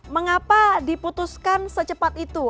mengapa diputuskan secepat itu